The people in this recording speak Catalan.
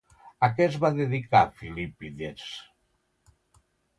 A què es va dedicar Filípides?